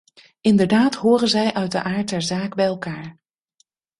Inderdaad horen zij uit de aard der zaak bij elkaar.